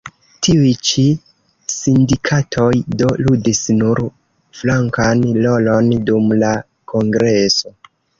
Tiuj ĉi sindikatoj do ludis nur flankan rolon dum la kongreso.